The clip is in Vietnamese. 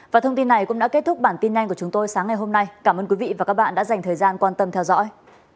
và thông tin này cũng đã kết thúc bản tin nhanh của chúng tôi sáng ngày hôm nay cảm ơn quý vị và các bạn đã dành thời gian quan tâm theo dõi